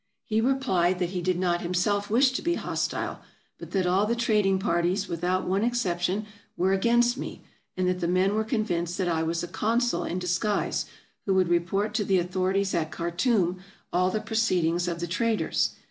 He replied that he did not himself wish to be hostile, but that all the trading parties, without one exception, were against me, and that the men were convinced that I was a consul in disguise, who would report to the authorities at Khartoum all the proceedings of the traders.